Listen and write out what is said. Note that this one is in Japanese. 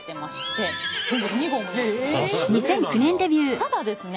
ただですね